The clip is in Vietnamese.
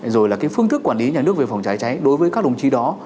và cái phương thức quản lý nhà nước về phòng cháy cháy đối với các đồng chí đó